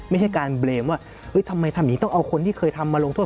ไม่ใช่การเบรมว่าทำไมทำอย่างนี้ต้องเอาคนที่เคยทำมาลงโทษ